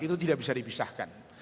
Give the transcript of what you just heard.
itu tidak bisa dipisahkan